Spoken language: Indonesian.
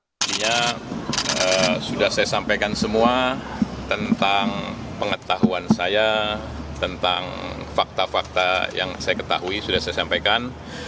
sebenarnya sudah saya sampaikan semua tentang pengetahuan saya tentang fakta fakta yang saya ketahui sudah saya sampaikan